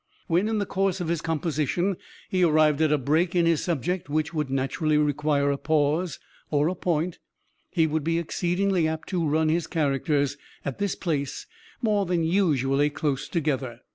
When, in the course of his composition, he arrived at a break in his subject which would naturally require a pause, or a point, he would be exceedingly apt to run his characters, at this place, more than usually close together.